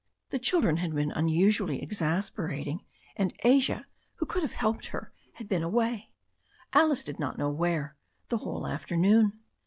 The children had been unusually exasperating, and Asia, who could have helped her, had been away, Alice did not know where, the whole afternoon.